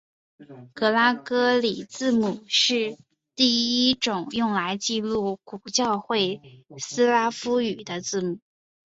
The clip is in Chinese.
格拉哥里字母是第一种用来记录古教会斯拉夫语的字母。